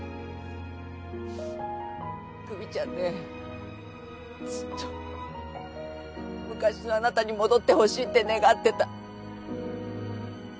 ううっ久実ちゃんねずっと昔のあなたに戻ってほしいって願ってた。